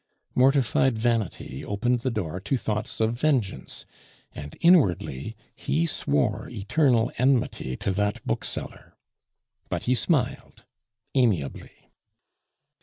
Mortified vanity opened the door to thoughts of vengeance, and inwardly he swore eternal enmity to that bookseller. But he smiled amiably.